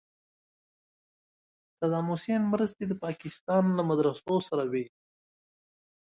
صدام حسین مرستې د پاکستان له مدرسو سره وې.